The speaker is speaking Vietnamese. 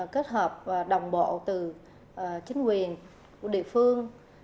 kết hợp và đồng bộ từ chính quyền của địa phương